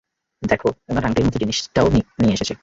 দ্যাখো, ওনার আংটির মতো জিনিসটাও নিয়ে এসেছি।